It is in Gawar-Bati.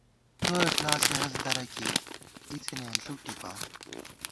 څو اخلاصے ہست درہ کېئی اِڅِنے انݪُوک ٹِپا